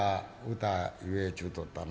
歌言えちゅうとったな」。